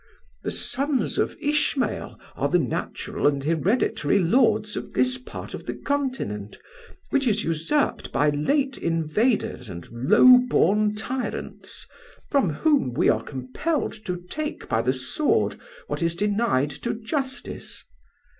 The sons of Ishmael are the natural and hereditary lords of this part of the continent, which is usurped by late invaders and low born tyrants, from whom we are compelled to take by the sword what is denied to justice.